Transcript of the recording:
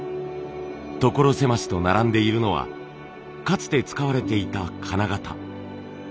所狭しと並んでいるのはかつて使われていた金型。